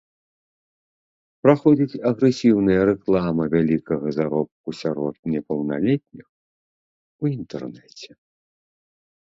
Праходзіць агрэсіўная рэклама вялікага заробку сярод непаўналетніх у інтэрнэце.